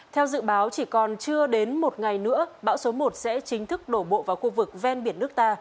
theo dự báo chỉ còn chưa đến một ngày nữa bão số một sẽ chính thức đổ bộ vào khu vực ven biển nước ta